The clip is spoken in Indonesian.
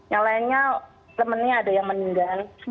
yang lainnya temennya ada yang meninggal